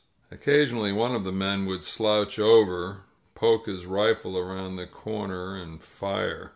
Occasionally one of the men would slouch over, poke his rifle around the corner and fire.